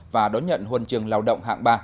và đón nhận huân trường lao động hạng ba